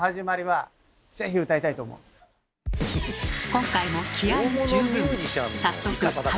今回も気合い十分。